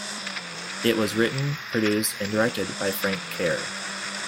It was written, produced and directed by Frank Kerr.